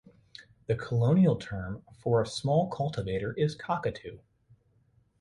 The colonial term for a small cultivator is cockatoo.